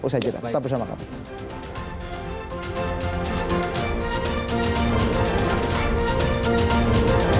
usaha kita tetap bersama kami